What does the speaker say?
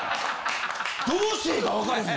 どうしてええか分かれへん。